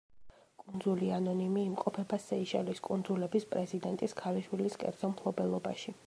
კუნძული ანონიმი იმყოფება სეიშელის კუნძულების პრეზიდენტის ქალიშვილის კერძო მფლობელობაში.